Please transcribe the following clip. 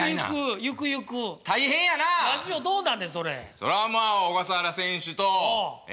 そらあまあ小笠原選手とえ？